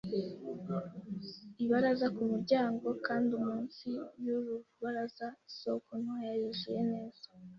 ibaraza ku muryango, kandi munsi yuru rubaraza isoko ntoya yuzuye neza